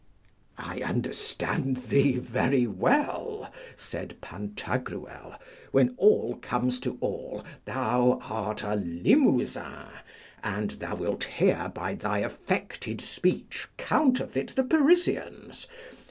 I understand thee very well, said Pantagruel. When all comes to all, thou art a Limousin, and thou wilt here by thy affected speech counterfeit the Parisians.